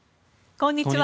こんにちは。